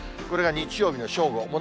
これが日曜日の正午。